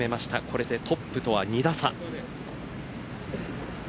これでトップとは２打差。